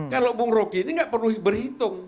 kalau bu rocky ini tidak perlu berhitung